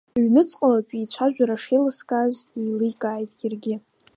Ҩныҵҟалатәи ицәажәара шеилыскааз еиликааит иаргьы.